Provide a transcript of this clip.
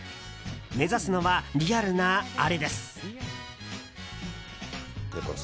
目指すのはリアルなあれです。